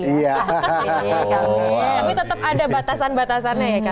tapi tetap ada batasan batasannya ya